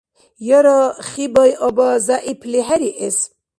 Яра Хибай-аба зягӀипли хӀериэс?